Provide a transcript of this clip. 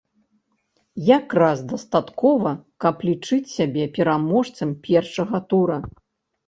Якраз дастаткова, каб лічыць сябе пераможцам першага тура.